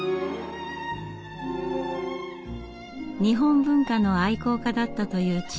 日本文化の愛好家だったという父。